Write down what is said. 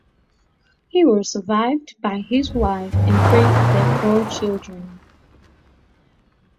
He was survived by his wife and three of their four children.